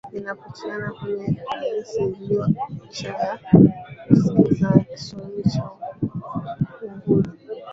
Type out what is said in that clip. Inapatikana kwenye rasi iliyo ncha ya kaskazini ya kisiwa cha Unguja